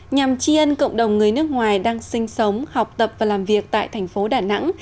nhằm chi ân cộng đồng người nước ngoài đang sinh sống học tập và làm việc tại thành phố đà nẵng